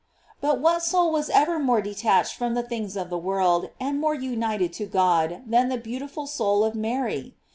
But what soul was ever more detached from the things of the world, and more united to God, than the beautiful soul of Mary?